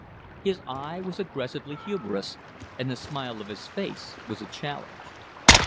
His eye was aggressively humorous, and the smile of his face was a challenge.